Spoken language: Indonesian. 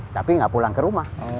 tapi nggak pulang ke rumah